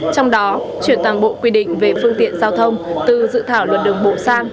trong đó chuyển toàn bộ quy định về phương tiện giao thông từ dự thảo luật đường bộ sang